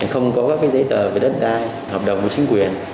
không có các giấy tờ về đất đai hợp đồng của chính quyền